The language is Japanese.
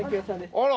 あら。